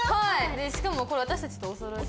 しかもこれ私たちとおそろい。